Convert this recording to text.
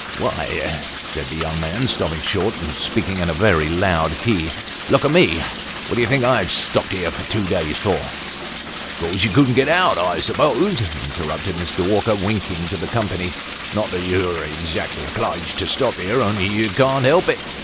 "Why," said the young man, stopping short, and speaking in a very loud key, " look at me. What d'ye think I've stopped here two days for ?"" 'Cause you couldn't get out, I suppose," interrupted Mr. Walker, winking to the company. " Not that you're exactly obliged to stop here, only you can't help it.